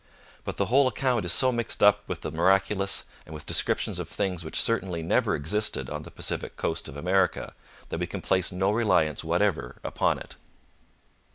But the whole account is so mixed up with the miraculous, and with descriptions of things which certainly never existed on the Pacific coast of America, that we can place no reliance whatever upon it.